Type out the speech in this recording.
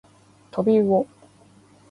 とびうお